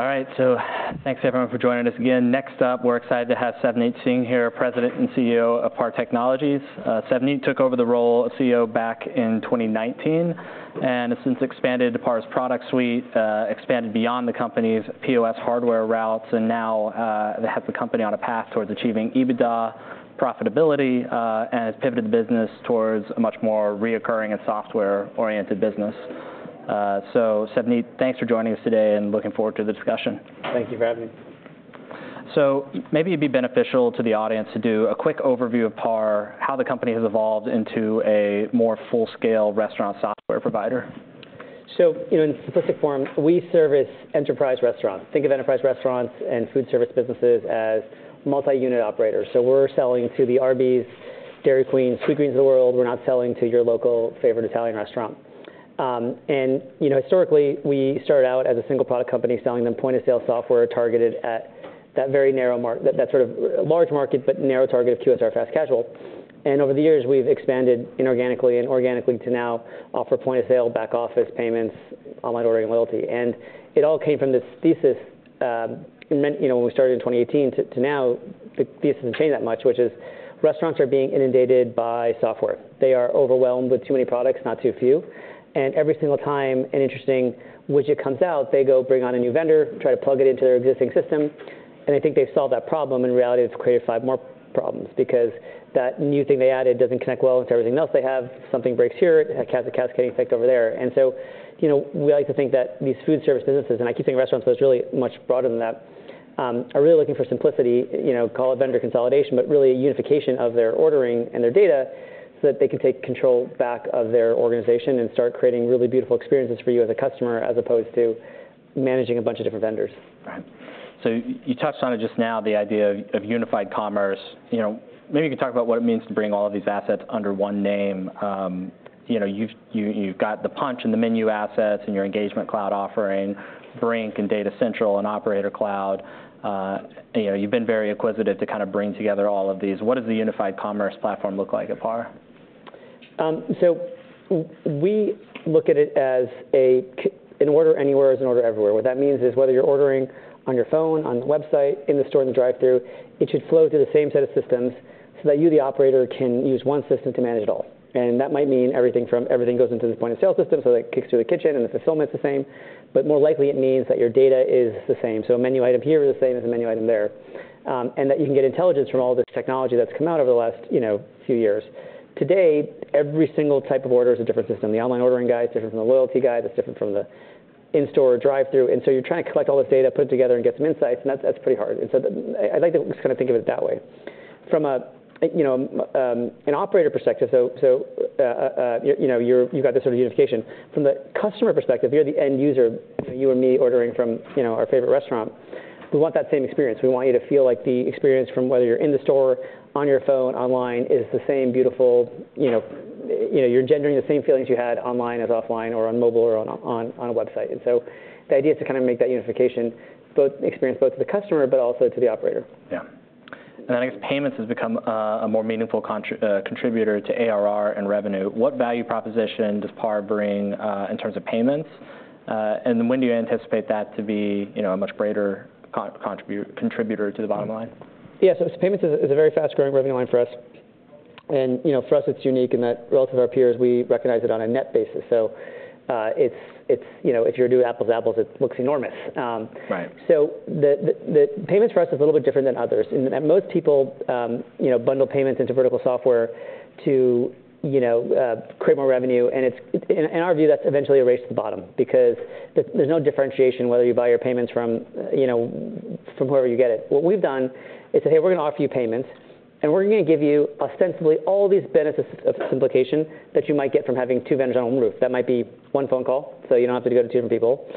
All right, so thanks everyone for joining us again. Next up, we're excited to have Savneet Singh here, President and CEO of PAR Technology. Savneet took over the role of CEO back in twenty nineteen, and has since expanded PAR's product suite, expanded beyond the company's POS hardware roots, and now, they have the company on a path towards achieving EBITDA profitability, and has pivoted the business towards a much more recurring and software-oriented business. So Savneet, thanks for joining us today, and looking forward to the discussion. Thank you for having me. Maybe it'd be beneficial to the audience to do a quick overview of PAR, how the company has evolved into a more full-scale restaurant software provider. You know, in simplistic form, we service enterprise restaurants. Think of enterprise restaurants and food service businesses as multi-unit operators. We're selling to the Arby's, Dairy Queen, Sweetgreen of the world. We're not selling to your local favorite Italian restaurant. And, you know, historically, we started out as a single product company selling them point-of-sale software targeted at that very narrow market, that sort of large market, but narrow target of QSR fast casual. And over the years, we've expanded inorganically and organically to now offer point of sale, back office payments, online ordering, and loyalty. And it all came from this thesis, and then, you know, when we started in 2018 to now, the thesis hasn't changed that much, which is restaurants are being inundated by software. They are overwhelmed with too many products, not too few, and every single time an interesting widget comes out, they go bring on a new vendor, try to plug it into their existing system, and they think they've solved that problem. In reality, it's created five more problems because that new thing they added doesn't connect well to everything else they have. Something breaks here, it has a cascading effect over there. And so, you know, we like to think that these food service businesses, and I keep saying restaurants, but it's really much broader than that, are really looking for simplicity, you know, call it vendor consolidation, but really a unification of their ordering and their data so that they can take control back of their organization and start creating really beautiful experiences for you as a customer, as opposed to managing a bunch of different vendors. Right. So you touched on it just now, the idea of unified commerce. You know, maybe you could talk about what it means to bring all of these assets under one name. You know, you've got the Punch and the MENU assets, and your Engagement Cloud offering, Brink and Data Central and Operator Cloud. You know, you've been very acquisitive to kind of bring together all of these. What does the unified commerce platform look like at PAR? We look at it as an order anywhere is an order everywhere. What that means is whether you're ordering on your phone, on the website, in the store, in the drive-thru, it should flow through the same set of systems so that you, the operator, can use one system to manage it all. And that might mean everything from everything goes into the point-of-sale system, so that kicks to the kitchen and the fulfillment's the same. But more likely, it means that your data is the same. So a menu item here is the same as a menu item there. And that you can get intelligence from all this technology that's come out over the last, you know, few years. Today, every single type of order is a different system. The online ordering guide is different from the loyalty guide. It's different from the in-store drive-thru, and so you're trying to collect all this data, put it together and get some insights, and that's pretty hard, and so I like to just kind of think of it that way. From a you know an operator perspective, so you've got this sort of unification. From the customer perspective, you're the end user, you and me ordering from you know our favorite restaurant. We want that same experience. We want you to feel like the experience from whether you're in the store, on your phone, online, is the same beautiful you know. You know, you're generating the same feelings you had online as offline or on mobile or on a website. And so the idea is to kind of make that unification, both the experience to the customer, but also to the operator. Yeah. And I guess payments has become a more meaningful contributor to ARR and revenue. What value proposition does PAR bring in terms of payments? And then when do you anticipate that to be, you know, a much greater contributor to the bottom line? Yeah, so payments is a very fast-growing revenue line for us. And, you know, for us, it's unique in that relative to our peers, we recognize it on a net basis. So, it's, you know, if you're doing apples to apples, it looks enormous. Right. So payments for us is a little bit different than others. And most people, you know, bundle payments into vertical software to, you know, create more revenue, and in our view, that's eventually a race to the bottom because there's no differentiation whether you buy your payments from, you know, from wherever you get it. What we've done is say, "Hey, we're going to offer you payments, and we're going to give you ostensibly all these benefits of simplification that you might get from having two vendors under one roof." That might be one phone call, so you don't have to go to two different people.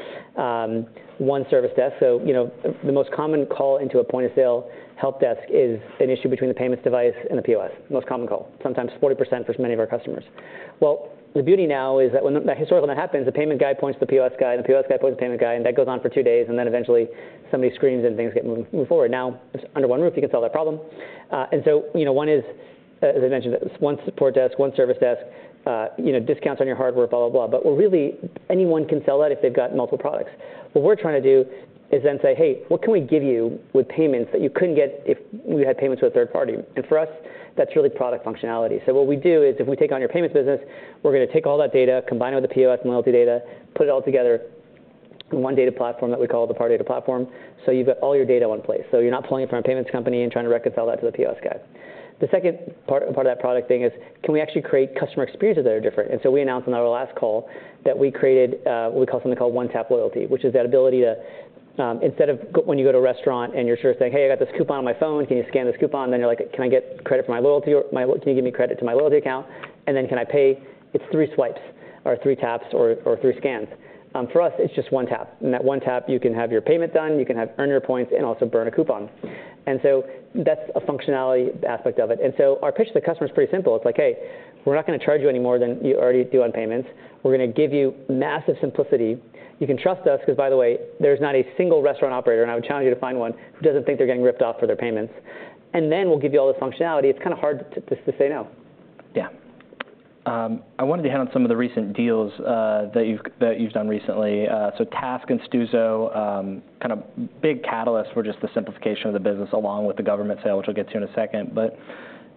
One service desk. So, you know, the most common call into a point-of-sale help desk is an issue between the payments device and the POS. Most common call, sometimes 40% for many of our customers. Well, the beauty now is that when the... historically, when that happens, the payment guy points to the POS guy, and the POS guy points to the payment guy, and that goes on for two days, and then eventually somebody screams, and things get moved forward. Now, under one roof, you can solve that problem. And so, you know, one is, as I mentioned, one support desk, one service desk, you know, discounts on your hardware, blah, blah, blah. But really, anyone can sell that if they've got multiple products. What we're trying to do is then say: Hey, what can we give you with payments that you couldn't get if you had payments with a third party? And for us, that's really product functionality. So what we do is, if we take on your payments business, we're going to take all that data, combine it with the POS and loyalty data, put it all together in one data platform that we call the PAR Data Platform. So you've got all your data in one place. So you're not pulling it from a payments company and trying to reconcile that to the POS guy. The second part, part of that product thing is, can we actually create customer experiences that are different? We announced on our last call that we created what we call something called One Tap Loyalty, which is that ability to, instead of when you go to a restaurant and you're sort of saying: "Hey, I got this coupon on my phone, can you scan this coupon?" Then you're like: "Can I get credit for my loyalty or my-- can you give me credit to my loyalty account, and then can I pay?" It's three swipes or three taps or three scans. For us, it's just one tap. In that one tap, you can have your payment done, you can have earn your points and also burn a coupon. And so that's a functionality aspect of it. And so our pitch to the customer is pretty simple. It's like: Hey, we're not going to charge you any more than you already do on payments. We're going to give you massive simplicity. You can trust us, because, by the way, there's not a single restaurant operator, and I would challenge you to find one, who doesn't think they're getting ripped off for their payments. And then we'll give you all the functionality. It's kind of hard to say no. Yeah... I wanted to hit on some of the recent deals that you've done recently. So TASK and Stuzo kind of big catalysts for just the simplification of the business, along with the government sale, which we'll get to in a second. But,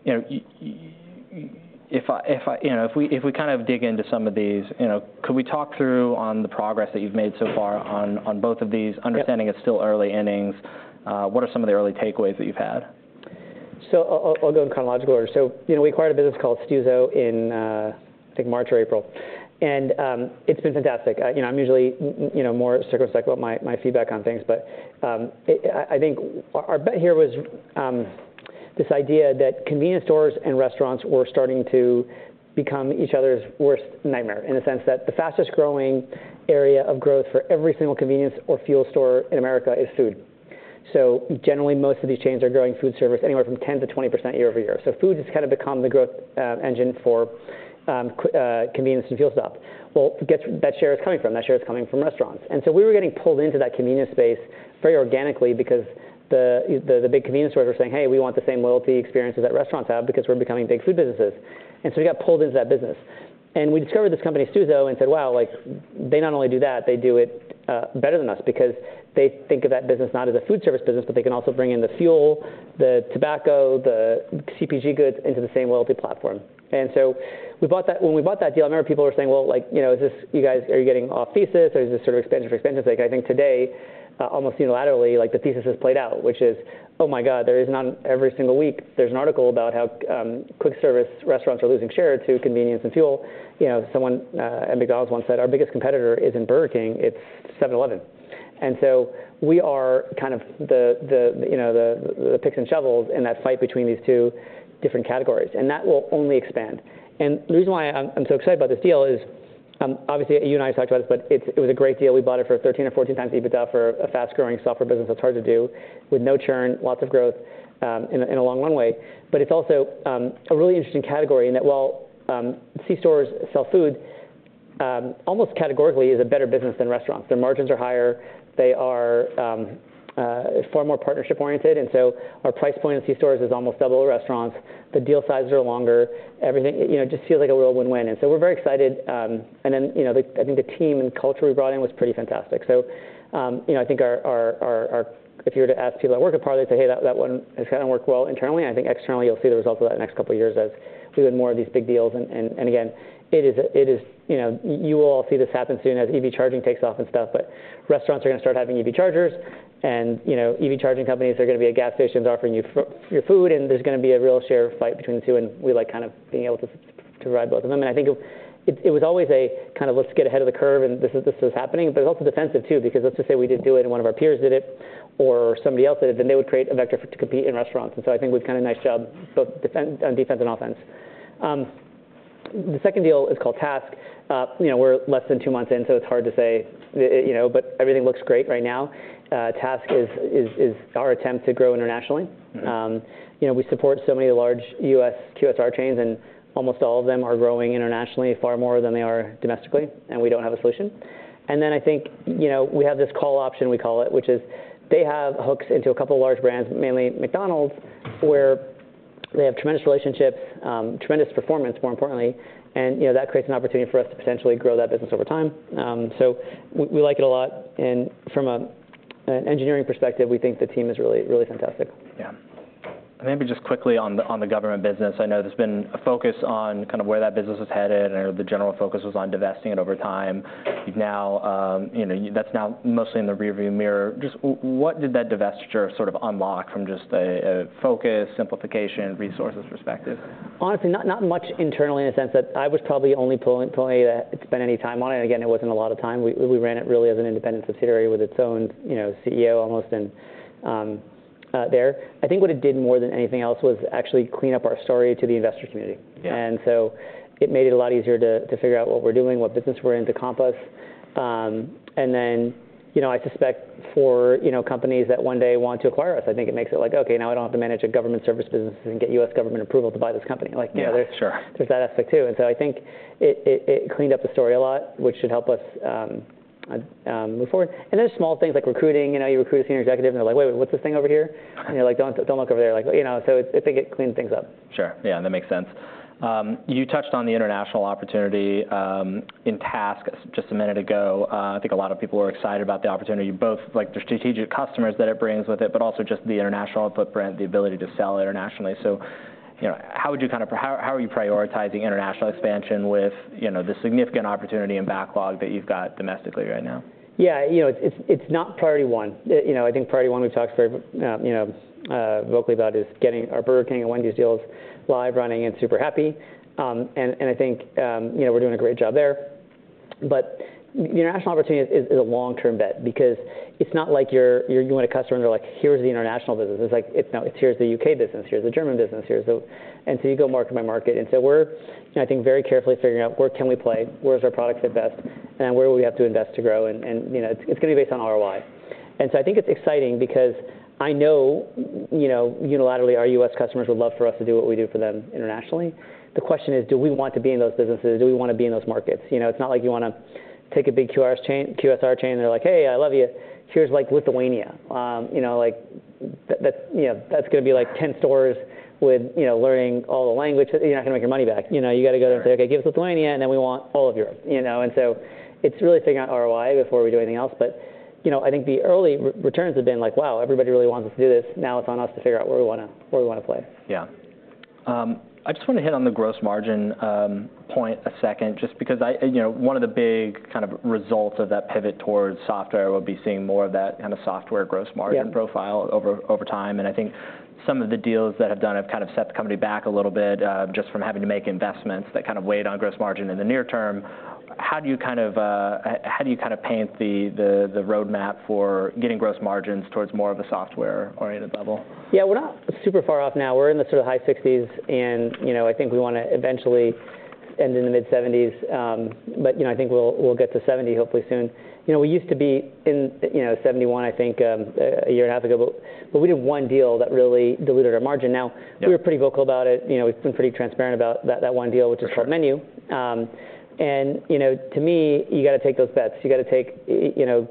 you know, if I... You know, if we kind of dig into some of these, you know, could we talk through on the progress that you've made so far on both of these? Yeah. Understanding it's still early innings, what are some of the early takeaways that you've had? So I'll go in chronological order. You know, we acquired a business called Stuzo in, I think March or April, and it's been fantastic. You know, I'm usually, you know, more circumspect about my feedback on things, but it. I think our bet here was this idea that convenience stores and restaurants were starting to become each other's worst nightmare, in the sense that the fastest growing area of growth for every single convenience or fuel store in America is food. So generally, most of these chains are growing food service anywhere from 10%-20% year-over-year. So food has kind of become the growth engine for convenience and fuel stop. Well, guess where that share is coming from? That share is coming from restaurants. And so we were getting pulled into that convenience space very organically because the big convenience stores were saying, "Hey, we want the same loyalty experiences that restaurants have because we're becoming big food businesses." And so we got pulled into that business. And we discovered this company, Stuzo, and said, "Wow, like, they not only do that, they do it better than us," because they think of that business not as a food service business, but they can also bring in the fuel, the tobacco, the CPG goods into the same loyalty platform. And so we bought that. When we bought that deal, I remember people were saying, "Well, like, you know, is this... You guys, are you getting off thesis, or is this sort of expansion for expansion's sake?" I think today, almost unilaterally, like, the thesis has played out, which is, oh, my God, there is every single week, there's an article about how, quick service restaurants are losing share to convenience and fuel. You know, someone at McDonald's once said, "Our biggest competitor isn't Burger King, it's 7-Eleven." And so we are kind of the, you know, the picks and shovels in that fight between these two different categories, and that will only expand. And the reason why I'm so excited about this deal is, obviously, you and I talked about this, but it was a great deal. We bought it for 13 or 14 times EBITDA for a fast-growing software business. That's hard to do, with no churn, lots of growth, in a long runway. But it's also a really interesting category in that while C-stores sell food, almost categorically is a better business than restaurants. Their margins are higher. They are far more partnership-oriented, and so our price point in C-stores is almost double restaurants. The deal sizes are longer. Everything... You know, it just feels like a real win-win, and so we're very excited. And then, you know, I think the team and culture we brought in was pretty fantastic. You know, I think if you were to ask people that work at PAR, they'd say, "Hey, that one has kind of worked well internally." I think externally, you'll see the results of that in the next couple of years as we do more of these big deals. And again, it is. You know, you will all see this happen soon as EV charging takes off and stuff, but restaurants are going to start having EV chargers. And you know, EV charging companies are going to be at gas stations offering you your food, and there's going to be a real share fight between the two, and we like kind of being able to ride both of them. I think it was always a kind of, "Let's get ahead of the curve, and this is happening." But it's also defensive, too, because let's just say we didn't do it and one of our peers did it or somebody else did it, then they would create a vector to compete in restaurants. So I think we've done a nice job both on defense and offense. The second deal is called TASK. You know, we're less than two months in, so it's hard to say, you know, but everything looks great right now. TASK is our attempt to grow internationally. Mm-hmm. You know, we support so many large U.S. QSR chains, and almost all of them are growing internationally, far more than they are domestically, and we don't have a solution. And then I think, you know, we have this call option, we call it, which is they have hooks into a couple of large brands, mainly McDonald's, where they have tremendous relationships, tremendous performance, more importantly. And, you know, that creates an opportunity for us to potentially grow that business over time. So we like it a lot, and from an engineering perspective, we think the team is really, really fantastic. Yeah. And maybe just quickly on the government business, I know there's been a focus on kind of where that business is headed, and I know the general focus was on divesting it over time. Now, you know, that's now mostly in the rearview mirror. Just what did that divestiture sort of unlock from just a focus, simplification, resources perspective? Honestly, not much internally, in the sense that I was probably the only person to spend any time on it. Again, it wasn't a lot of time. We ran it really as an independent subsidiary with its own, you know, CEO almost, and there. I think what it did more than anything else was actually clean up our story to the investor community. Yeah. It made it a lot easier to figure out what we're doing, what business we're in, to encompass. You know, I suspect for companies that one day want to acquire us, I think it makes it like, "Okay, now I don't have to manage a government service business and get U.S. government approval to buy this company." Like, you know- Yeah, sure. There's that aspect, too. And so I think it cleaned up the story a lot, which should help us move forward. And there's small things like recruiting. You know, you recruit a senior executive, and they're like: "Wait, what's this thing over here?" And you're like: "Don't, don't look over there." Like, you know, so I think it cleaned things up. Sure. Yeah, that makes sense. You touched on the international opportunity in TASK just a minute ago. I think a lot of people are excited about the opportunity, both, like, the strategic customers that it brings with it, but also just the international footprint, the ability to sell internationally. So, you know, how would you kind of... How are you prioritizing international expansion with, you know, the significant opportunity and backlog that you've got domestically right now? Yeah, you know, it's not priority one. You know, I think priority one, we've talked very, you know, vocally about, is getting our Burger King and Wendy's deals live, running, and super happy. And I think, you know, we're doing a great job there. But the international opportunity is a long-term bet because it's not like you're going to a customer, and they're like: "Here's the international business." It's like: "Now, here's the UK business, here's the German business, here's the..." And so you go market by market. And so we're, I think, very carefully figuring out where can we play, where does our product fit best, and where we have to invest to grow. And, you know, it's gonna be based on ROI. I think it's exciting because I know, you know, unilaterally, our U.S. customers would love for us to do what we do for them internationally. The question is, do we want to be in those businesses? Do we wanna be in those markets? You know, it's not like you wanna take a big QSR chain, and they're like: "Hey, I love you. Here's, like, Lithuania." You know, like that, you know, that's gonna be, like, 10 stores with, you know, learning all the language. You're not gonna make your money back. You know, you gotta go there and say, "Okay, give us Lithuania, and then we want all of Europe," you know? It's really figuring out ROI before we do anything else. But, you know, I think the early returns have been like, "Wow, everybody really wants us to do this." Now it's on us to figure out where we wanna play. Yeah. I just want to hit on the gross margin, for a second, just because I, you know, one of the big kind of results of that pivot towards software will be seeing more of that kind of software gross margin-profile over time, and I think some of the deals that have done have kind of set the company back a little bit, just from having to make investments that kind of weighed on gross margin in the near term. How do you kind of paint the roadmap for getting gross margins towards more of a software-oriented level? Yeah, we're not super far off now. We're in the sort of high sixties, and, you know, I think we wanna eventually end in the mid-seventies. But, you know, I think we'll get to seventy hopefully soon. You know, we used to be in, you know, seventy-one, I think, a year and a half ago, but we did one deal that really diluted our margin. Yeah. Now, we were pretty vocal about it. You know, we've been pretty transparent about that, that one deal- For sure... which is called MENU. And, you know, to me, you gotta take those bets. You gotta take, you know,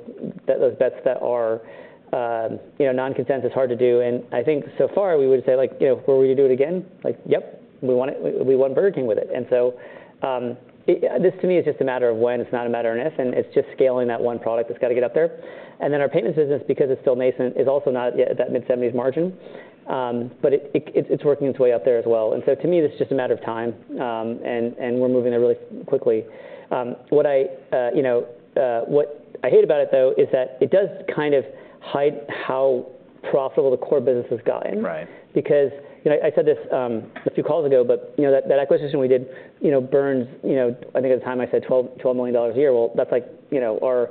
those bets that are, you know, non-consensus is hard to do. And I think so far we would say, like, you know, would we do it again? Like, yep, we won Burger King with it. And so, it, this, to me, is just a matter of when, it's not a matter of if, and it's just scaling that one product that's gotta get up there. And then our payments business, because it's still nascent, is also not yet at that mid-seventies margin. But it, it's working its way up there as well. And so to me, this is just a matter of time, and we're moving there really quickly. You know, what I hate about it, though, is that it does kind of hide how profitable the core business is going. Right. Because, you know, I said this a few calls ago, but, you know, that acquisition we did, you know, runs, you know, I think at the time I said $12 million a year. Well, that's like, you know, our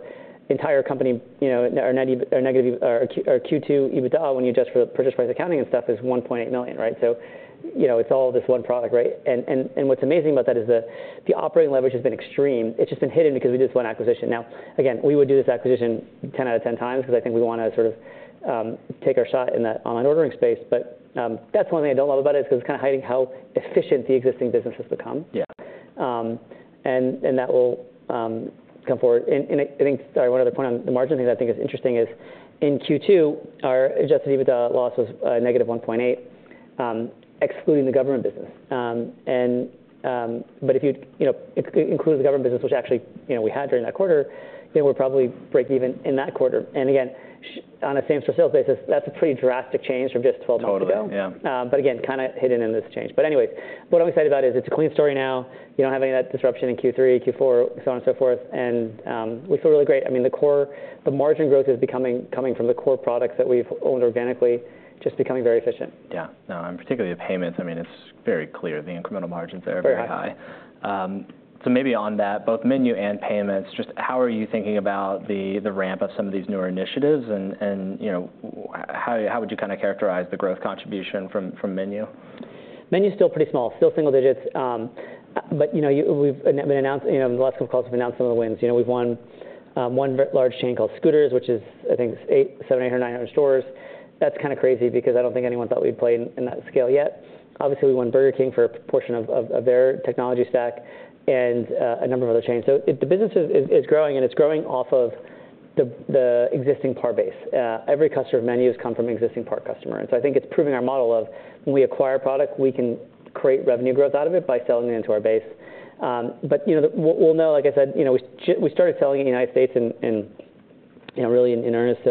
entire company, you know, our negative, our Q2 EBITDA, when you adjust for the purchase price accounting and stuff, is $1.8 million, right? So, you know, it's all this one product, right? And, and, and what's amazing about that is the operating leverage has been extreme. It's just been hidden because we did this one acquisition. Now, again, we would do this acquisition ten out of ten times, because I think we wanna sort of take our shot in that online ordering space. But, that's one thing I don't love about it, is because it's kind of hiding how efficient the existing business has become. Yeah. That will come forward. I think... Sorry, one other point on the margin thing that I think is interesting is, in Q2, our adjusted EBITDA loss was -$1.8, excluding the government business. But if you, you know, including the government business, which actually, you know, we had during that quarter, then we're probably break even in that quarter. And again, on a same store sales basis, that's a pretty drastic change from just 12 months ago. Totally. Yeah. Again, kind of hidden in this change, but anyway, what I'm excited about is it's a clean story now. You don't have any of that disruption in Q3, Q4, so on and so forth. And we feel really great. I mean, the core, the margin growth is coming from the core products that we've owned organically, just becoming very efficient. Yeah. No, and particularly the payments, I mean, it's very clear the incremental margins there are very high. Very high. So maybe on that, both MENU and payments, just how are you thinking about the ramp of some of these newer initiatives? And you know, how would you kind of characterize the growth contribution from MENU? MENU is still pretty small, still single digits. But, you know, and we announced, you know, in the last couple of calls, we've announced some of the wins. You know, we've won one large chain called Scooter's, which is, I think, 800-900 stores. That's kind of crazy, because I don't think anyone thought we'd play in that scale yet. Obviously, we won Burger King for a portion of their technology stack and a number of other chains. So the business is growing, and it's growing off of the existing PAR base. Every customer of MENU's come from an existing PAR customer. And so I think it's proving our model of when we acquire a product, we can create revenue growth out of it by selling it into our base. But, you know, we'll know, like I said, you know, we started selling in the United States and, you know, really in earnest,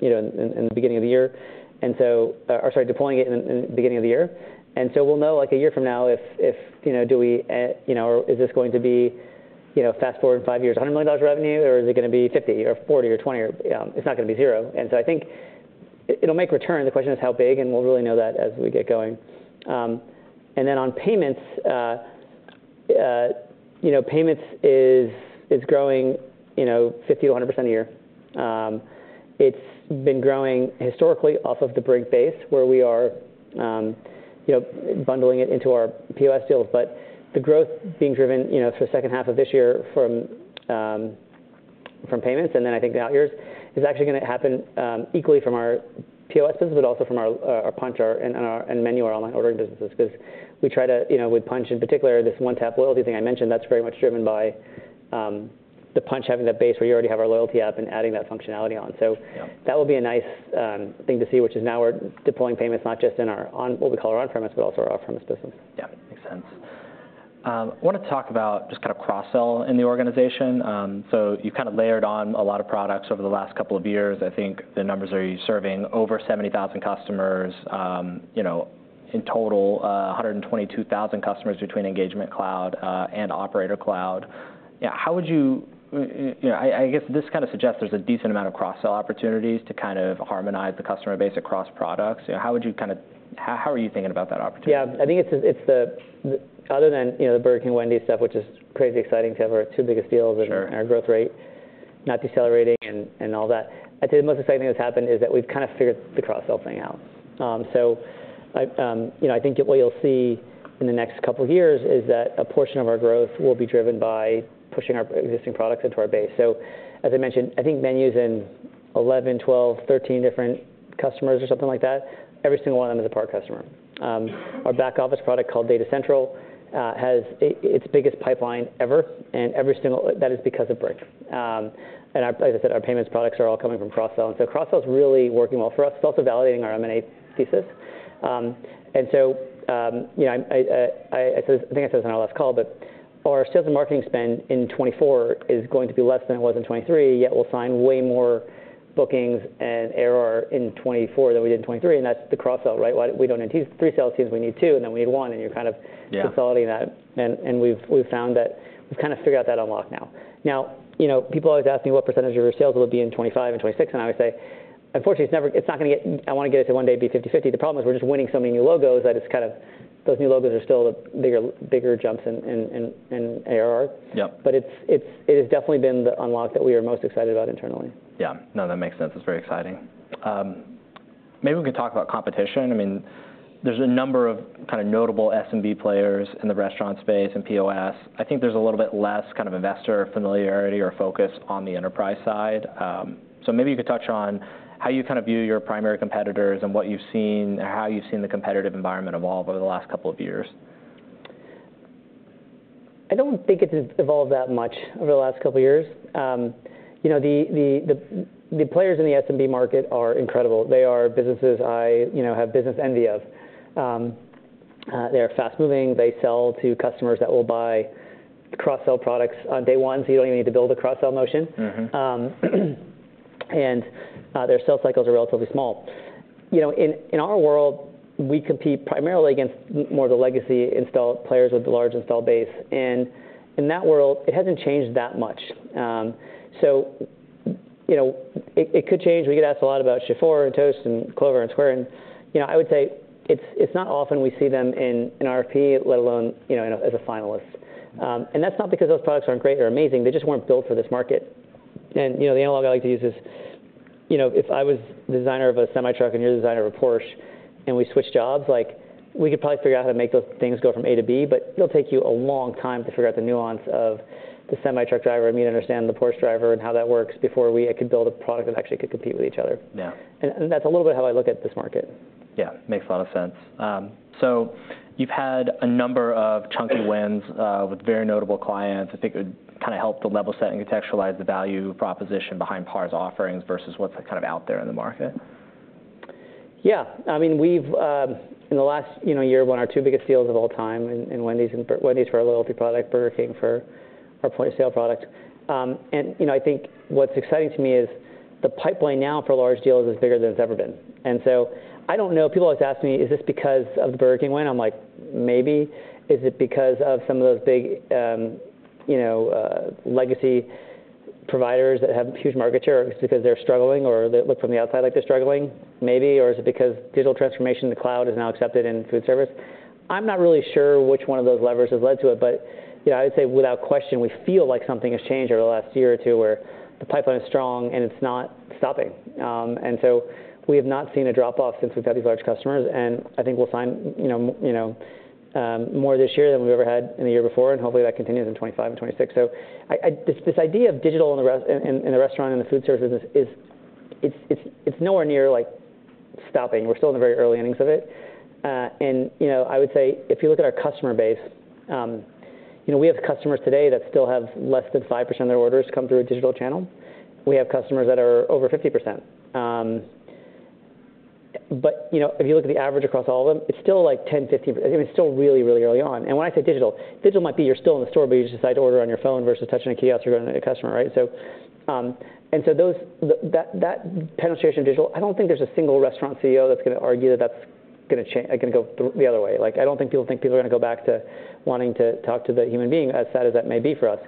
you know, in the beginning of the year. And so, sorry, deploying it in the beginning of the year. And so we'll know, like, a year from now, if, you know, do we, you know, is this going to be, you know, fast forward five years, $100 million of revenue, or is it gonna be $50 million or $40 million or $20 million or. It's not gonna be zero. And so I think it'll make return. The question is how big, and we'll really know that as we get going. And then on payments, you know, payments is growing, you know, 50%-100% a year. It's been growing historically off of the Brink base, where we are, you know, bundling it into our POS deals. But the growth being driven, you know, for the second half of this year from payments, and then I think the out years, is actually gonna happen equally from our POS business, but also from our Punch and MENU, our online ordering businesses. Because we try to, you know, with Punch in particular, this One Tap Loyalty thing I mentioned, that's very much driven by the Punch having that base where you already have our loyalty app and adding that functionality on. Yeah. That will be a nice thing to see, which is now we're deploying payments not just in our on- what we call our on-premise, but also our off-premise business. Yeah, makes sense. I want to talk about just kind of cross-sell in the organization. So you've kind of layered on a lot of products over the last couple of years. I think the numbers are you're serving over 70,000 customers, you know, in total, 122,000 customers between Engagement Cloud and Operator Cloud. Yeah, how would you... you know, I, I guess this kind of suggests there's a decent amount of cross-sell opportunities to kind of harmonize the customer base across products. How would you kind of? How, how are you thinking about that opportunity? Yeah, I think it's the... Other than, you know, the Burger King, Wendy's stuff, which is crazy exciting to have our two biggest deals- Sure... and our growth rate not decelerating and, and all that, I'd say the most exciting thing that's happened is that we've kind of figured the cross-sell thing out. So I, you know, I think what you'll see in the next couple of years is that a portion of our growth will be driven by pushing our existing products into our base. So as I mentioned, I think MENU's in 11, 12, 13 different customers or something like that. Every single one of them is a PAR customer. Our back office product, called Data Central, has its biggest pipeline ever, and every single - that is because of Brink. And our, like I said, our payments products are all coming from cross-sell, and so cross-sell is really working well for us. It's also validating our M&A thesis. So, you know, I think I said this on our last call, but our sales and marketing spend in 2024 is going to be less than it was in 2023, yet we'll sign way more bookings and ARR in 2024 than we did in 2023, and that's the cross sell, right? Why we don't need two three sales teams, we need two, and then we need one, and you're kind of- Yeah. Consolidating that. And we've found that we've kind of figured out that unlock now. Now, you know, people always ask me what percentage of your sales will it be in 2025 and 2026, and I would say, unfortunately, it's never. It's not gonna get. I want to get it to one day be fifty-fifty. The problem is, we're just winning so many new logos that it's kind of, those new logos are still the bigger jumps in ARR. Yep. But it's, it has definitely been the unlock that we are most excited about internally. Yeah. No, that makes sense. It's very exciting. Maybe we could talk about competition. I mean, there's a number of kind of notable SMB players in the restaurant space and POS. I think there's a little bit less kind of investor familiarity or focus on the enterprise side. So maybe you could touch on how you kind of view your primary competitors and what you've seen and how you've seen the competitive environment evolve over the last couple of years. I don't think it's evolved that much over the last couple of years. You know, the players in the SMB market are incredible. They are businesses I, you know, have business envy of. They are fast-moving, they sell to customers that will buy cross-sell products on day one, so you don't even need to build a cross-sell motion. Mm-hmm. Their sales cycles are relatively small. You know, in our world, we compete primarily against more of the legacy install players with the large install base, and in that world, it hasn't changed that much. So, you know, it could change. We get asked a lot about Shift4 and Toast and Clover and Square, and, you know, I would say it's not often we see them in an RFP, let alone, you know, in as a finalist. And that's not because those products aren't great or amazing, they just weren't built for this market. You know, the analogy I like to use is, you know, if I was the designer of a semi-truck and you're the designer of a Porsche, and we switched jobs, like, we could probably figure out how to make those things go from A-B, but it'll take you a long time to figure out the nuance of the semi-truck driver and me to understand the Porsche driver and how that works before we could build a product that actually could compete with each other. Yeah. That's a little bit how I look at this market. Yeah, makes a lot of sense. So you've had a number of chunky wins with very notable clients. I think it would kind of help the level setting to contextualize the value proposition behind PAR's offerings versus what's kind of out there in the market. Yeah. I mean, we've in the last, you know, year, won our two biggest deals of all time in Wendy's and Burger King, Wendy's for our loyalty product, Burger King for our point of sale product. And, you know, I think what's exciting to me is the pipeline now for large deals is bigger than it's ever been. And so I don't know, people always ask me, "Is this because of the Burger King win?" I'm like, "Maybe." Is it because of some of those big, you know, legacy providers that have huge market share, or because they're struggling, or they look from the outside like they're struggling? Maybe. Or is it because digital transformation in the cloud is now accepted in food service? I'm not really sure which one of those levers has led to it, but, you know, I'd say without question, we feel like something has changed over the last year or two, where the pipeline is strong, and it's not stopping, and so we have not seen a drop-off since we've had these large customers, and I think we'll sign, you know, more this year than we've ever had in the year before, and hopefully, that continues in 2025 and 2026. This idea of digital in the restaurant and the food service business is nowhere near, like, stopping. We're still in the very early innings of it. And, you know, I would say if you look at our customer base, you know, we have customers today that still have less than 5% of their orders come through a digital channel. We have customers that are over 50%. But, you know, if you look at the average across all of them, it's still, like, 10%-50%. I mean, it's still really, really early on. And when I say digital, digital might be you're still in the store, but you just decide to order on your phone versus touching a kiosk or going to a customer, right? So, and so those, that penetration of digital, I don't think there's a single restaurant CEO that's gonna argue that that's gonna go the other way. Like, I don't think people are gonna go back to wanting to talk to the human being, as sad as that may be for us.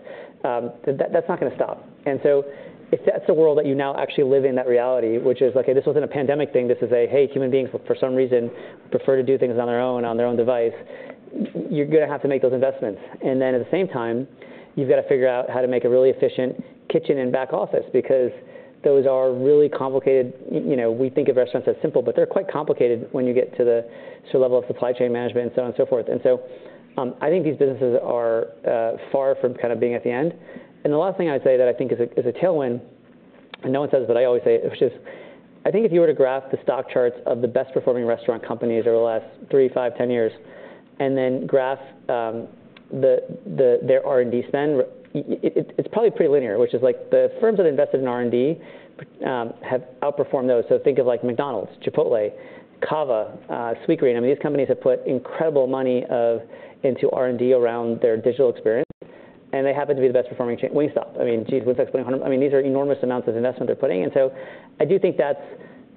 That's not gonna stop. And so if that's the world that you now actually live in, that reality, which is, okay, this wasn't a pandemic thing, this is a, hey, human beings, for some reason, prefer to do things on their own, on their own device, you're gonna have to make those investments. And then, at the same time, you've got to figure out how to make a really efficient kitchen and back office, because those are really complicated. You know, we think of restaurants as simple, but they're quite complicated when you get to the level of supply chain management and so on and so forth. And so, I think these businesses are far from kind of being at the end. And the last thing I'd say that I think is a tailwind, and no one says it, but I always say it, which is, I think if you were to graph the stock charts of the best-performing restaurant companies over the last three, five, ten years, and then graph their R&D spend, it's probably pretty linear, which is, like, the firms that invested in R&D have outperformed those. So think of, like, McDonald's, Chipotle, Cava, Sweetgreen. I mean, these companies have put incredible money into R&D around their digital experience, and they happen to be the best performing chain. When you stop, I mean, jeez, what's going on? I mean, these are enormous amounts of investment they're putting in. So I do think that's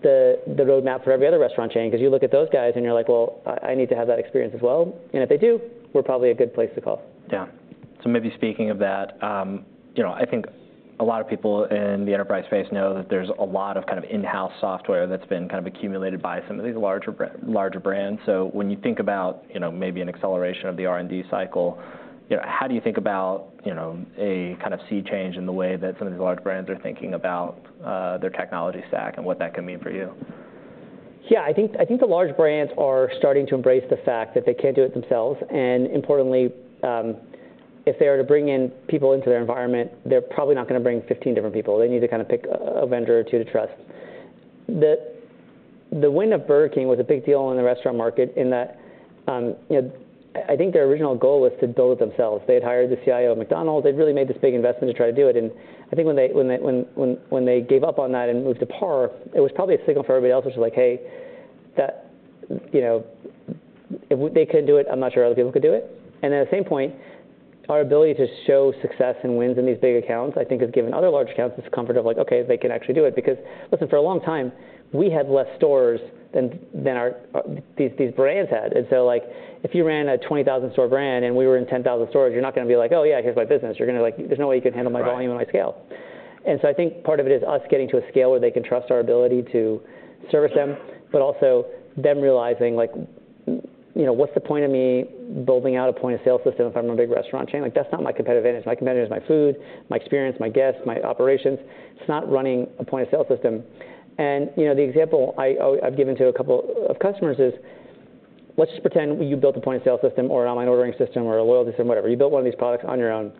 the roadmap for every other restaurant chain, because you look at those guys, and you're like, "Well, I need to have that experience as well." And if they do, we're probably a good place to call. Yeah. So maybe speaking of that, you know, I think a lot of people in the enterprise space know that there's a lot of kind of in-house software that's been kind of accumulated by some of these larger brands. So when you think about, you know, maybe an acceleration of the R&D cycle, you know, how do you think about, you know, a kind of sea change in the way that some of these large brands are thinking about their technology stack and what that can mean for you? Yeah, I think the large brands are starting to embrace the fact that they can't do it themselves, and importantly, if they were to bring in people into their environment, they're probably not gonna bring fifteen different people. They need to kind of pick a vendor or two to trust. The win of Burger King was a big deal in the restaurant market in that, you know, I think their original goal was to build it themselves. They had hired the CIO of McDonald's. They'd really made this big investment to try to do it, and I think when they gave up on that and moved to PAR, it was probably a signal for everybody else, which is like, hey, that, you know, if they couldn't do it, I'm not sure other people could do it. Our ability to show success and wins in these big accounts, I think, has given other large accounts this comfort of like, okay, they can actually do it. Because, listen, for a long time, we had less stores than these brands had. And so, like, if you ran a 20,000-store brand, and we were in 10,000 stores, you're not going to be like, "Oh, yeah, here's my business." You're going to like, "There's no way you can handle my volume- Right and my scale." And so I think part of it is us getting to a scale where they can trust our ability to service them, but also them realizing, like, you know, what's the point of me building out a point-of-sale system if I'm a big restaurant chain? Like, that's not my competitive advantage. My competitive is my food, my experience, my guests, my operations. It's not running a point-of-sale system. And, you know, the example I've given to a couple of customers is, let's just pretend you built a point-of-sale system or an online ordering system or a loyalty system, whatever. You built one of these products on your own.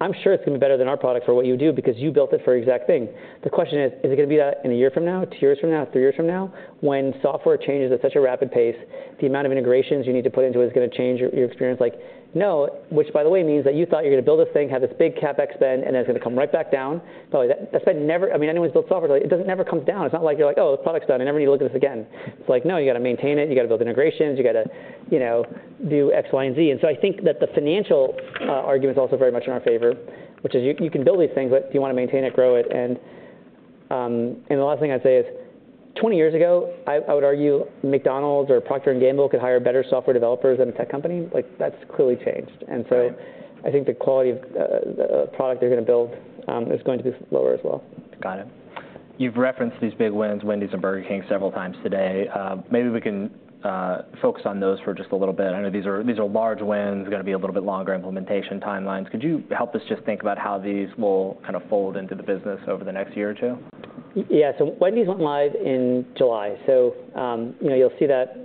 I'm sure it's going to be better than our product for what you do because you built it for the exact thing. The question is: Is it going to be that in a year from now, two years from now, three years from now? When software changes at such a rapid pace, the amount of integrations you need to put into it is going to change your experience. Like, no, which, by the way, means that you thought you're going to build this thing, have this big CapEx spend, and then it's going to come right back down. So that's like never. I mean, anyone who's built software, it doesn't ever come down. It's not like you're like, "Oh, the product's done. I never need to look at this again." It's like, no, you got to maintain it, you got to build integrations, you got to, you know, do X, Y, and Z. And so I think that the financial argument is also very much in our favor, which is you can build these things, but do you want to maintain it, grow it? And the last thing I'd say is, twenty years ago, I would argue McDonald's or Procter and Gamble could hire better software developers than a tech company. Like, that's clearly changed. I think the quality of the product they're going to build is going to be lower as well. Got it. You've referenced these big wins, Wendy's and Burger King, several times today. Maybe we can focus on those for just a little bit. I know these are, these are large wins, going to be a little bit longer implementation timelines. Could you help us just think about how these will kind of fold into the business over the next year or two? Yeah. So Wendy's went live in July, so, you know, you'll see that,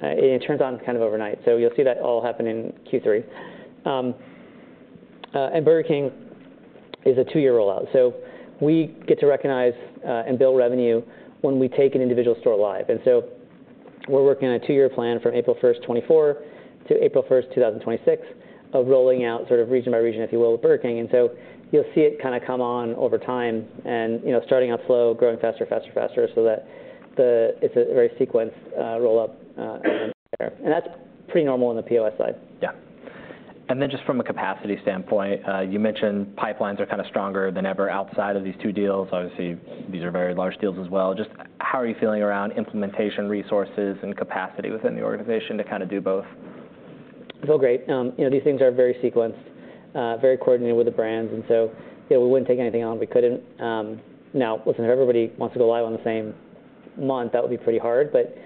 it turns on kind of overnight. So you'll see that all happen in Q3. And Burger King is a two-year rollout, so we get to recognize, and build revenue when we take an individual store live. And so we're working on a two-year plan from April first, 2024, to April first, 2026, of rolling out sort of region by region, if you will, with Burger King. And so you'll see it kind of come on over time and, you know, starting out slow, growing faster, faster, faster, so that it's a very sequenced, roll-up, there. And that's pretty normal in the POS side. Yeah. And then just from a capacity standpoint, you mentioned pipelines are kind of stronger than ever outside of these two deals. Obviously, these are very large deals as well. Just how are you feeling around implementation, resources, and capacity within the organization to kind of do both? Feel great. You know, these things are very sequenced, very coordinated with the brands, and so, yeah, we wouldn't take anything on, we couldn't. Now, listen, if everybody wants to go live on the same month, that would be pretty hard. But,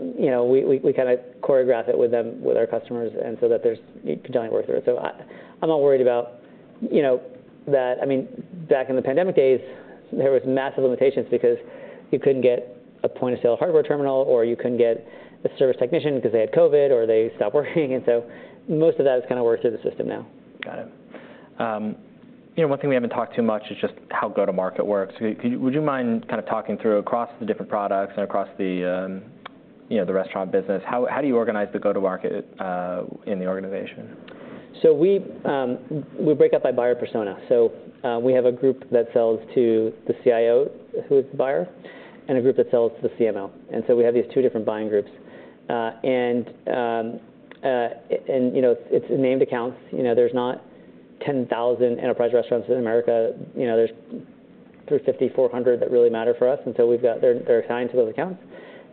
you know, we kind of choreograph it with them, with our customers, and so that there's... It can definitely work through. So I, I'm not worried about, you know, that. I mean, back in the pandemic days, there was massive limitations because you couldn't get a point-of-sale hardware terminal, or you couldn't get a service technician because they had COVID or they stopped working. And so most of that is kind of worked through the system now. Got it. You know, one thing we haven't talked too much about is just how go-to-market works. Would you mind kind of talking through across the different products and across the, you know, the restaurant business, how do you organize the go-to-market in the organization? So we break up by buyer persona. So, we have a group that sells to the CIO, who is the buyer, and a group that sells to the CMO, and so we have these two different buying groups. And, you know, it's named accounts. You know, there's not 10,000 enterprise restaurants in America. You know, there's 350, 400 that really matter for us, and so we've got- they're assigned to those accounts.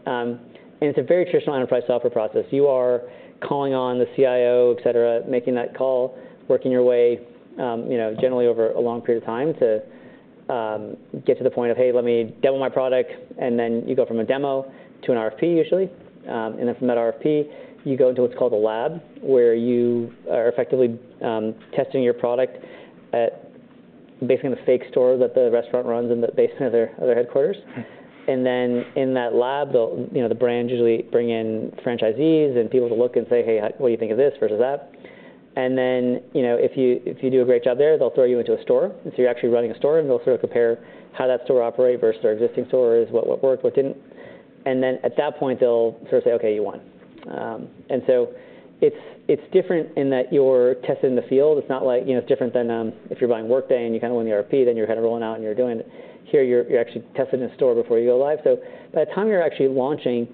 And it's a very traditional enterprise software process. You are calling on the CIO, et cetera, making that call, working your way, you know, generally over a long period of time to get to the point of, "Hey, let me demo my product." And then you go from a demo to an RFP, usually. And then from that RFP, you go into what's called a lab, where you are effectively testing your product, basically, in a fake store that the restaurant runs, based in their headquarters. And then in that lab, they'll, you know, the brand usually bring in franchisees and people to look and say, "Hey, what do you think of this versus that?" And then, you know, if you, if you do a great job there, they'll throw you into a store. So you're actually running a store, and they'll sort of compare how that store operate versus their existing store is, what worked, what didn't. And then at that point, they'll sort of say, "Okay, you won." And so it's, it's different in that you're tested in the field. It's not like. You know, it's different than if you're buying Workday, and you kind of win the RFP, then you're kind of rolling out and you're doing it. Here, you're, you're actually tested in the store before you go live. By the time you're actually launching,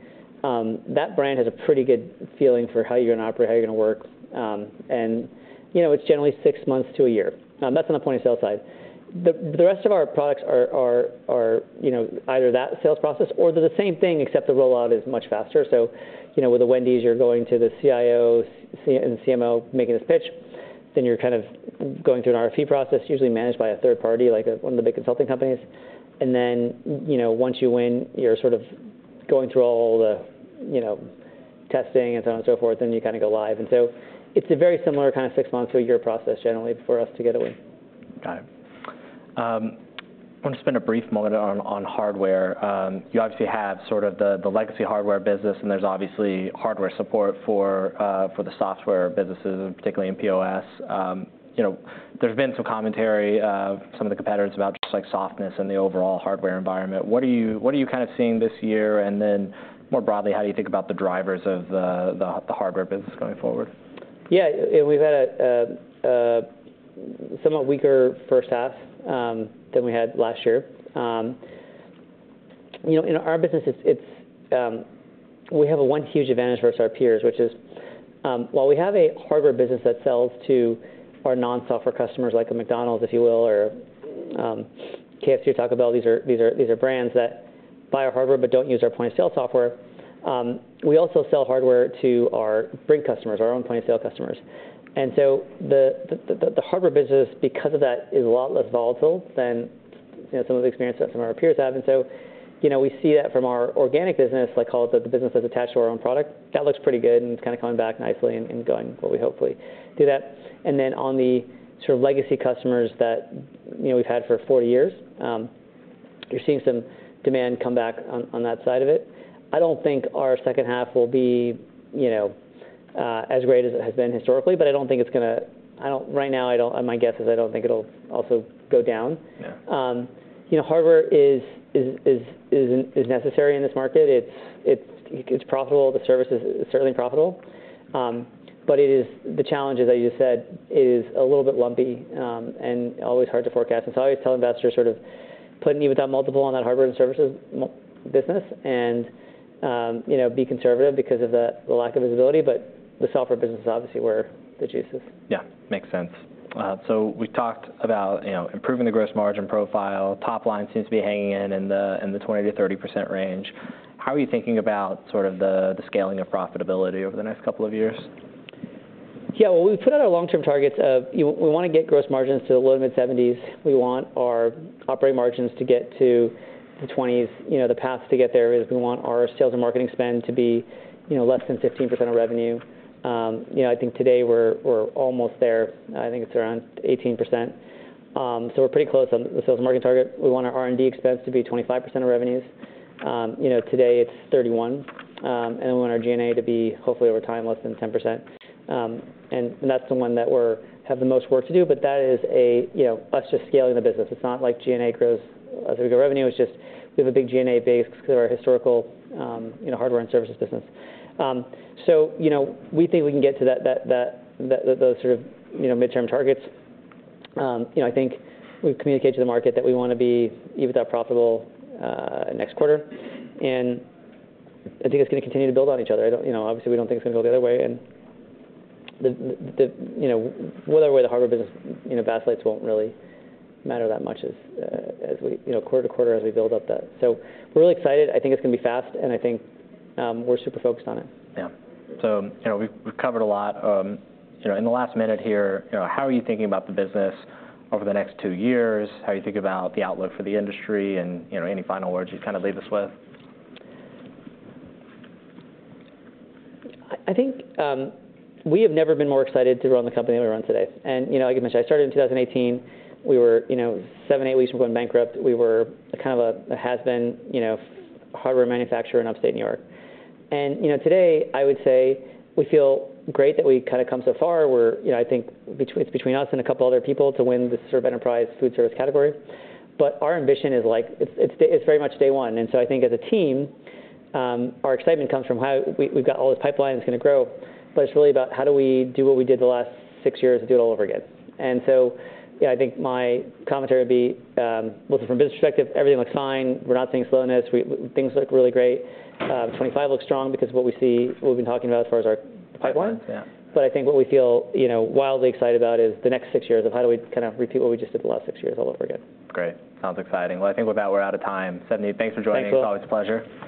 that brand has a pretty good feeling for how you're going to operate, how you're going to work. You know, it's generally six months to a year, that's on the point-of-sale side. The rest of our products are, you know, either that sales process or they're the same thing, except the rollout is much faster. You know, with Wendy's, you're going to the CIOs and the CMO, making this pitch, then you're kind of going through an RFP process, usually managed by a third party, like one of the big consulting companies. Then, you know, once you win, you're sort of going through all the, you know, testing and so on and so forth, then you kind of go live. It's a very similar kind of six-month to a year process generally for us to get a win. Got it. I want to spend a brief moment on hardware. You obviously have sort of the legacy hardware business, and there's obviously hardware support for the software businesses, particularly in POS. You know, there's been some commentary, some of the competitors about just, like, softness in the overall hardware environment. What are you kind of seeing this year? And then, more broadly, how do you think about the drivers of the hardware business going forward? Yeah, and we've had a somewhat weaker first half than we had last year. You know, in our business, it's we have one huge advantage versus our peers, which is, while we have a hardware business that sells to our non-software customers, like a McDonald's, if you will, or KFC, or Taco Bell, these are brands that buy our hardware but don't use our point-of-sale software. We also sell hardware to our Brink customers, our own point-of-sale customers. And so the hardware business, because of that, is a lot less volatile than, you know, some of the experience that some of our peers have. And so, you know, we see that from our organic business, like, call it the business that's attached to our own product, that looks pretty good, and it's kind of coming back nicely and going what we hopefully do that. Then on the sort of legacy customers that, you know, we've had for four years, you're seeing some demand come back on that side of it. I don't think our second half will be, you know, as great as it has been historically, but I don't think it's gonna. Right now, my guess is I don't think it'll also go down. Yeah. You know, hardware is necessary in this market. It's profitable. The service is certainly profitable. But it is the challenge, as you said, is a little bit lumpy and always hard to forecast. And so I always tell investors, sort of, put an EBITDA multiple on that hardware and services business and, you know, be conservative because of the lack of visibility, but the software business is obviously where the juice is. Yeah, makes sense. So we talked about, you know, improving the gross margin profile. Top line seems to be hanging in the 20%-30% range. How are you thinking about sort of the scaling of profitability over the next couple of years? Yeah, well, we put out our long-term targets of, you know, we wanna get gross margins to the low to mid-seventies. We want our operating margins to get to the twenties. You know, the path to get there is we want our sales and marketing spend to be, you know, less than 15% of revenue. You know, I think today we're almost there. I think it's around 18%. So we're pretty close on the sales and marketing target. We want our R&D expense to be 25% of revenues. You know, today it's 31%. And we want our G&A to be, hopefully, over time, less than 10%. And that's the one that we have the most work to do, but that is a, you know, us just scaling the business. It's not like G&A grows as we grow revenue. It's just we have a big G&A base because of our historical, you know, hardware and services business. So, you know, we think we can get to that, those sort of, you know, midterm targets. You know, I think we've communicated to the market that we wanna be EBITDA profitable next quarter. And I think it's gonna continue to build on each other. I don't, you know, obviously, we don't think it's gonna go the other way. And the, you know, either way, the hardware business, you know, past life won't really matter that much as we quarter to quarter, as we build up that. So we're really excited. I think it's gonna be fast, and I think, we're super focused on it. Yeah. So, you know, we've covered a lot. You know, in the last minute here, you know, how are you thinking about the business over the next two years? How are you thinking about the outlook for the industry and, you know, any final words you'd kind of leave us with? I think we have never been more excited to run the company that we run today. And, you know, like I mentioned, I started in 2018. We were, you know, seven, eight weeks from going bankrupt. We were kind of a, a has-been, you know, hardware manufacturer in upstate New York. And, you know, today, I would say, we feel great that we've kind of come so far. We're. You know, I think between, it's between us and a couple other people to win this sort of enterprise food service category. But our ambition is, like, it's, it's, it's very much day one. And so I think as a team, our excitement comes from how we, we've got all this pipeline that's gonna grow, but it's really about how do we do what we did the last six years and do it all over again. Yeah, I think my commentary would be, looking from a business perspective, everything looks fine. We're not seeing slowness. Things look really great. 2025 looks strong because what we see, what we've been talking about as far as our pipeline. Yeah. But I think what we feel, you know, wildly excited about is the next six years of how do we kind of repeat what we just did the last six years all over again. Great. Sounds exciting. Well, I think with that, we're out of time. Savneet, thanks for joining us. Thanks, Will. It's always a pleasure.